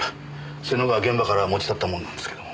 瀬野が現場から持ち去った物なんですけども。